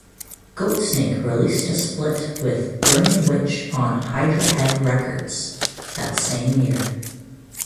Goatsnake released a split with Burning Witch on Hydra Head Records that same year.